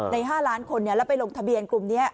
ใน๕ล้านคนแล้วไปลงทะเบียนกลุ่มนี้